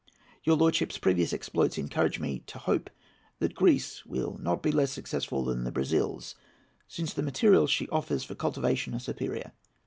Your lordship's previous exploits encourage me to hope that Greece will not be less successful than the Brazils, since the materials she offers for cultivation are superior.